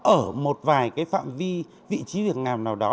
ở một vài phạm vi vị trí việc làm nào đó